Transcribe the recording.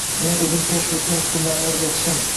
Men o‘zim kashf etgan usullarni o‘rgatishim